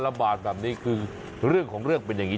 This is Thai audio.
ระบาดแบบนี้คือเรื่องของเรื่องเป็นอย่างนี้